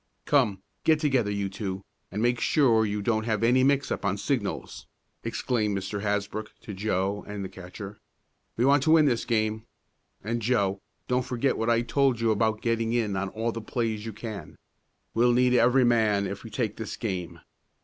"Come, get together, you two, and make sure you don't have any mix up on signals," exclaimed Mr. Hasbrook to Joe and the catcher. "We want to win this game. And, Joe, don't forget what I told you about getting in on all the plays you can. We'll need every man if we take this game.